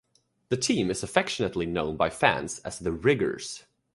The team is affectionately known by fans as the "Riggers".